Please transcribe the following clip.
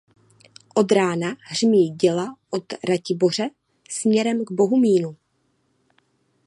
Od rána hřmí děla od Ratiboře směrem k Bohumínů.